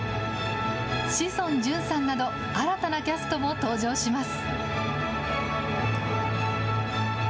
志尊淳さんなど、新たなキャストも登場します。